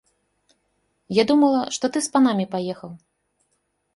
Я думала, што ты з панамі паехаў.